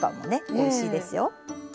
おいしいですよ。